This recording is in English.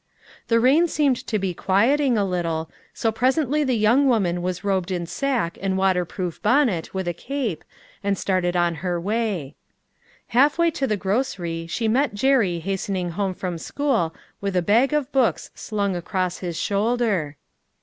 The rain seemed to be quieting a little, so presently the young woman was robed in sack and waterproof bonnet with a cape, and started on her way. 392 LITTLE FISHERS : AND THEIE NETS. Half way to the grocery she met Jerry has tening home from school with a bag of books slung across his shoulder.